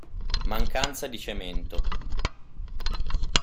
Mancanza di cemento.